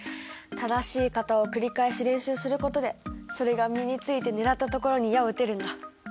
正しい型を繰り返し練習することでそれが身について狙った所に矢をうてるんだ。